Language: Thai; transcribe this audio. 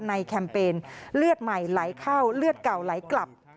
แคมเปญเลือดใหม่ไหลเข้าเลือดเก่าไหลกลับ